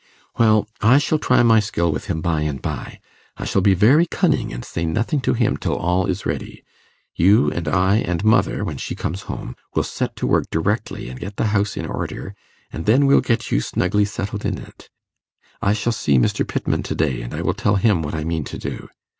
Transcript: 'Well, I shall try my skill with him by and by. I shall be very cunning, and say nothing to him till all is ready. You and I and mother, when she comes home, will set to work directly and get the house in order, and then we'll get you snugly settled in it. I shall see Mr. Pittman to day, and I will tell him what I mean to do.